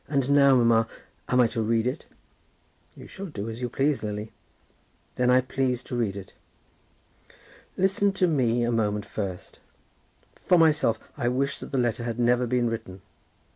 And now, mamma; am I to read it?" "You shall do as you please, Lily." "Then I please to read it." "Listen to me a moment first. For myself, I wish that the letter had never been written.